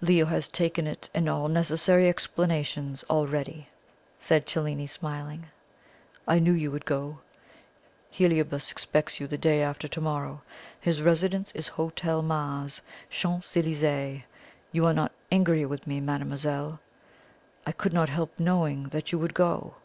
"Leo has taken it and all necessary explanations already," said Cellini, smiling; "I knew you would go. Heliobas expects you the day after to morrow. His residence is Hotel Mars, Champs Elysees. You are not angry with me, mademoiselle? I could not help knowing that you would go."